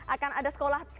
akan ada sekolah dokter